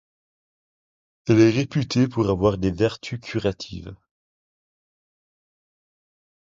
Elle est réputée pour avoir des vertus curatives.